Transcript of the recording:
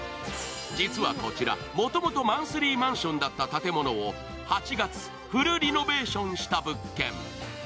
実はこちらもともとマンスリーマンションだった建物を８月フルリノベーションした物件。